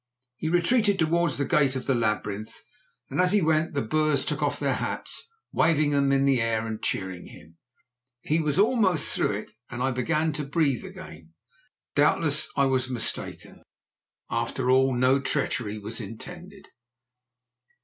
He retreated towards the gate of the labyrinth, and as he went the Boers took off their hats, waving them in the air and cheering him. He was almost through it, and I began to breathe again. Doubtless I was mistaken. After all, no treachery was intended.